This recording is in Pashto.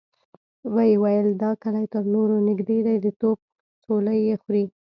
ويې ويل: دا کلي تر نورو نږدې دی، د توپ څولۍ يې خوري.